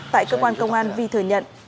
tại cơ quan công an vi thừa nhận